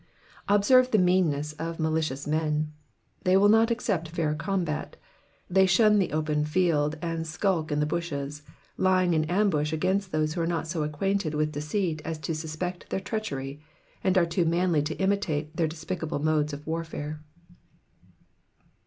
Observe the mean ness of malicious men ; they will not accept fair combat, they shun the open field, and skulk in the bushes, lying in ambush against those who are not so acquainted with deceit as to suspect their treachery, and are too manly to imitate their despicable modes of warfare.